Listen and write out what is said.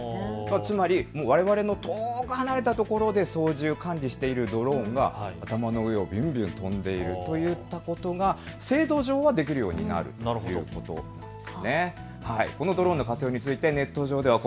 つまり、われわれの遠く離れたところで操縦、管理しているドローンが頭の上をびゅんびゅん飛んでいるといったことが制度上はできることになるということです。